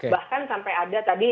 bahkan sampai ada tadi